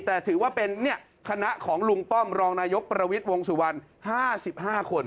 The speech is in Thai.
แต่ถือว่าเป็นคณะของลุงป้อมรองนายกประวิทย์วงสุวรรณ๕๕คน